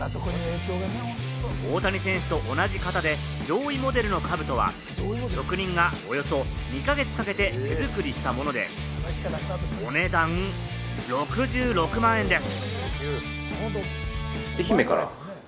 大谷選手と同じ型でモデルの兜は職人がおよそ２か月かけて手作りしたもので、お値段６６万円です。